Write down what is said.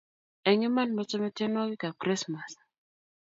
eng' iman machome tyenwokikab krismas